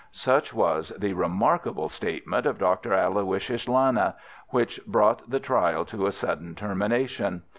Such was the remarkable statement of Dr. Aloysius Lana which brought the trial to a sudden termination.